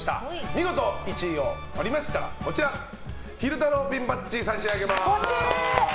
見事、１位をとりましたら昼太郎ピンバッジ差し上げます。